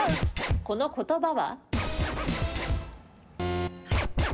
この言葉は？